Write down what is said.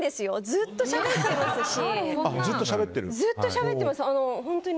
ずっとしゃべってますし。